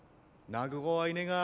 泣く子はいねが。